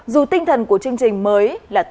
dù tinh thần của chương trình mới là tốt